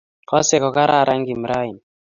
Kasee kogararan Kim raini